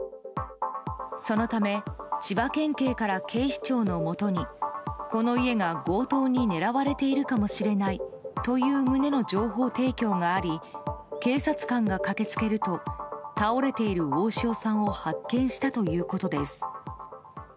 そのため千葉県警から警視庁のもとにこの家が強盗に狙われているかもしれないという旨の情報提供があり警察官が駆け付けると倒れている大塩さんを発見したということです。